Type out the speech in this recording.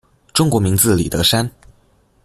中国名字李德山。